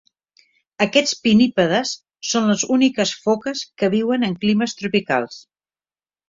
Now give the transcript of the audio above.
Aquests pinnípedes són les úniques foques que viuen en climes tropicals.